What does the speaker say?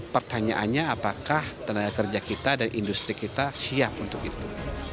pertanyaannya apakah tenaga kerja kita dan industri kita siap untuk itu